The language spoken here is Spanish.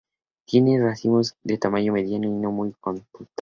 Tiene racimos de tamaño mediano y no muy compactos.